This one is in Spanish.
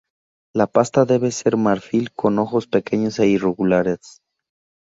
La pasta debe ser marfil, con ojos pequeños e irregulares.